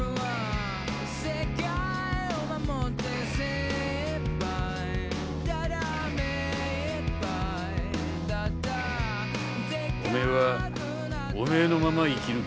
おめえはおめえのまま生き抜け。